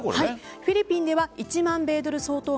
フィリピンでは１万米ドル相当額